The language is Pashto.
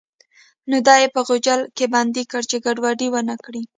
نو دی یې په غوجل کې بندي کړ چې ګډوډي ونه کړي.